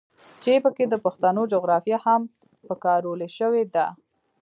چې پکښې د پښتنو جغرافيه هم پکارولے شوې ده.